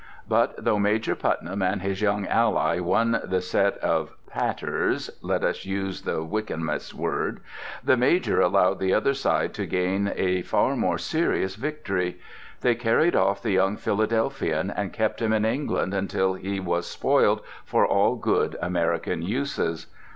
But though Major Putnam and his young ally won the set of patters (let us use the Wykehamist word), the Major allowed the other side to gain a far more serious victory. They carried off the young Philadelphian and kept him in England until he was spoiled for all good American uses.